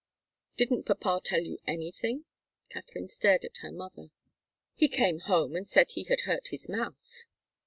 Didn't papa tell you anything?" Katharine stared at her mother. "He came home and said he had hurt his mouth.